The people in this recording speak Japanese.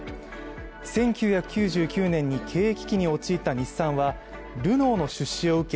１９９９年に経営危機に陥った日産は、ルノーの出資を受け